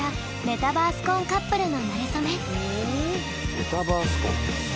メタバース婚？え？